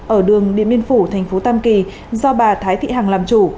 ở đường điện biên phủ tp tam kỳ do bà thái thị hằng làm chủ